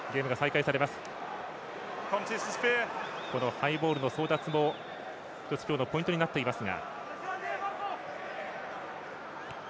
ハイボールの争奪も１つ今日のポイントになっています。